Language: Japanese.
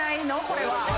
これは。